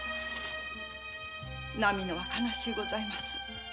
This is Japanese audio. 波野は悲しゅうございます。